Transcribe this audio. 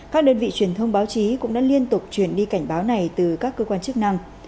các đơn vị truyền thông báo chí cũng đã liên tục truyền đi cảnh báo này từ các cơ quan chức năng